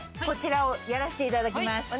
こちらをやらせていただきます。